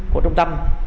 của trung tâm